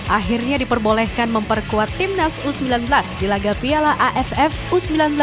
akhirnya diperbolehkan memperkuat timnas u sembilan belas di laga piala aff u sembilan belas dua ribu delapan belas